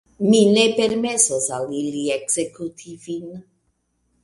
Mi ne permesos al ili ekzekuti vin.